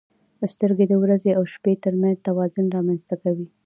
• سترګې د ورځې او شپې ترمنځ توازن رامنځته کوي.